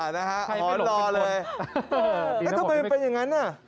นะฮะอ๋อรอเลยแล้วทำไมเป็นอย่างนั้นน่ะ